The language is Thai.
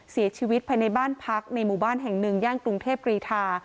เสียชีวิตภายในบ้านพักในหมู่บ้านแห่งหนึ่งย่านกรุงเทพกรีธา